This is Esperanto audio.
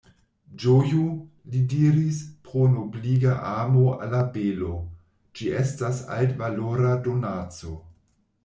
Ĝoju, li diris, pro nobliga amo al la belo; ĝi estas altvalora donaco.